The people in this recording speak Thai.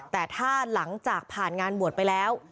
แต่ถ้าหลังจากผ่านงานบวชไปแล้ว